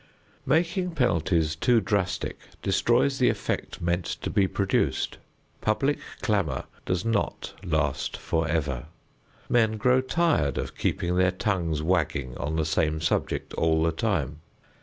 Making penalties too drastic destroys the effect meant to be produced. Public clamor does not last forever. Men grow tired of keeping their tongues wagging on the same subject all the time.